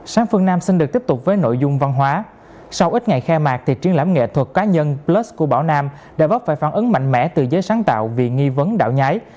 sáng phương nam xin được tiếp tục với nội dung văn hóa sau ít ngày khai mạc thì triển lãm nghệ thuật cá nhân blues của bảo nam đã vấp phải phản ứng mạnh mẽ từ giới sáng tạo vì nghi vấn đạo nhái